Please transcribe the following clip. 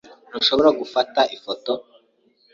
Ntushobora gufata ifoto?